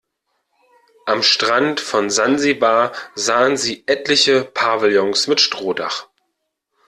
Am Strand von Sansibar sahen sie etliche Pavillons mit Strohdach.